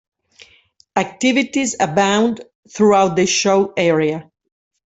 Activities abound throughout the show area.